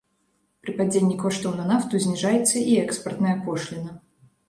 Пры падзенні коштаў на нафту зніжаецца і экспартная пошліна.